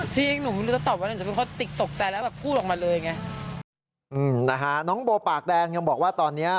จริงหนูไม่รู้จะตอบว่าอะไรอย่างนี้